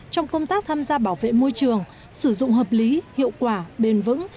trong công tác tham gia bảo vệ môi trường sử dụng hợp lý hiệu quả bền vững